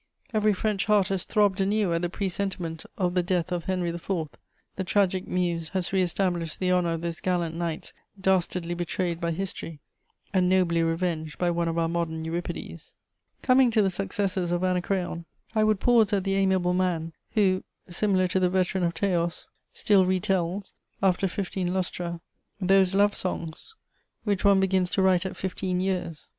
Every French heart has throbbed anew at the presentiment of the death of Henry IV. The tragic muse has re established the honour of those gallant knights dastardly betrayed by history, and nobly revenged by one of our modern Euripides. [Sidenote: My speech continued.] "Coming to the successors of Anacreon, I would pause at the amiable man who, similar to the veteran of Teos, still re tells, after fifteen lustra, those love songs which one begins to write at fifteen years.